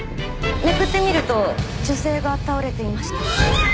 めくってみると女性が倒れていました。